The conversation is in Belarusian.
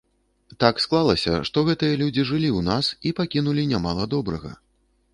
Так склалася, што гэтыя людзі жылі ў нас і пакінулі нямала добрага.